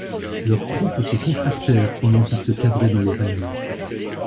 Leurs croupes se contractèrent, pendant qu'ils se cabraient dans les rênes.